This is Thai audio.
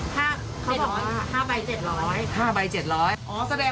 แต่เป็นชุดแต่เป็นชุดใช่ไหมแต่ป้าไม่แบ่งแล้วราคาเท่าไหร่เขาบอกไหม